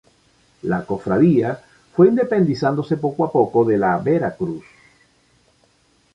La Cofradía fue independizándose poco a poco de la Vera Cruz.